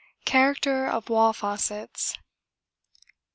Character of wall facets.